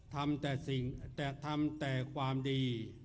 ทำแต่ความดี